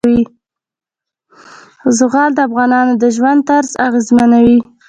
زغال د افغانانو د ژوند طرز اغېزمنوي.